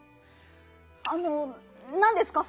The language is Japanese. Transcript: あのなんですか？